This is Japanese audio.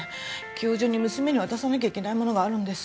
今日中に娘に渡さなきゃいけないものがあるんです。